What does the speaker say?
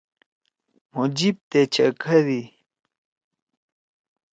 مھو جیِب تے چَکھدی۔